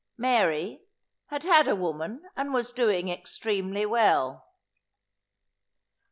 Mary "had had a woman, and was doing extremely well."